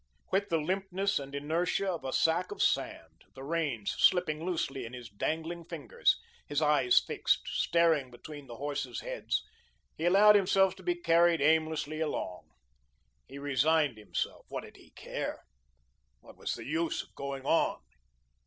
With the limpness and inertia of a sack of sand, the reins slipping loosely in his dangling fingers, his eyes fixed, staring between the horses' heads, he allowed himself to be carried aimlessly along. He resigned himself. What did he care? What was the use of going on?